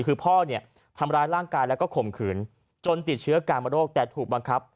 คือพ่อทำร้ายร่างกายและก็ข่มขืนจนติดเชื้อการบรรโลกแต่ถูกบังคับ